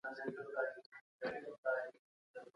نفل لمونځونه په ډېر اخلاص ادا کړئ.